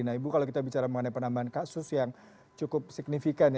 nah ibu kalau kita bicara mengenai penambahan kasus yang cukup signifikan